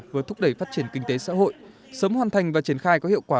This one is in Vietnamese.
vừa thúc đẩy phát triển kinh tế xã hội sớm hoàn thành và triển khai có hiệu quả